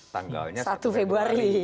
tanggalnya satu februari